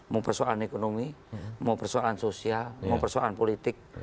mau persoalan ekonomi mau persoalan sosial mau persoalan politik